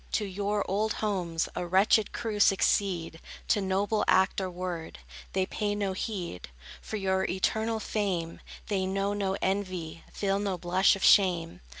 To your old homes A wretched crew succeed; to noble act or word, They pay no heed; for your eternal fame They know no envy, feel no blush of shame.